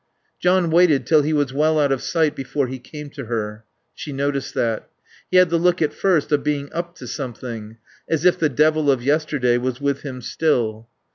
John waited till he was well out of sight before he came to her. (She noticed that.) He had the look at first of being up to something, as if the devil of yesterday was with him still.